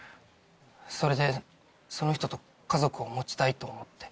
それでその人と家族を持ちたいと思って。